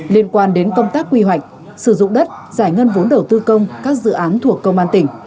liên quan đến công tác quy hoạch sử dụng đất giải ngân vốn đầu tư công các dự án thuộc công an tỉnh